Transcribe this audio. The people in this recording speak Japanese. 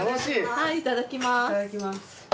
はいいただきます。